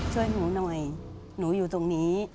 ช่วยหนูหน่อยหนูอยู่ตรงนี้